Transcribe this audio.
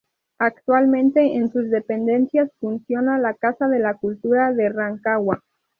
Actualmente en sus dependencias funciona la Casa de la Cultura de Rancagua.